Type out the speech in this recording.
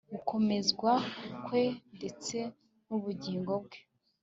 gukomezwa kwe ndetse n'ubugingo bwe